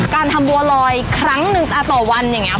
การทำบัวลอยครั้งหนึ่งต่อวันอย่างนี้